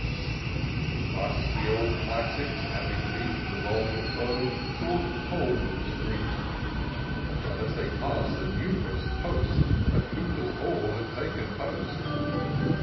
" Thus the old Classics having beat The vulgar foe, sought Coleman Street ; But as they pass'd, a numerous host At Coopers' 'Hall, had taken post.